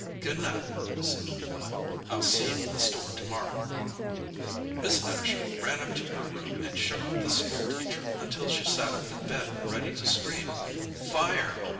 "Good night," said Platt. "I'll see you at the store to morrow." Miss Asher ran up to her room and shook the school teacher until she sat up in bed ready to scream "Fire!"